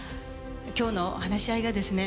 今日の話し合いがですね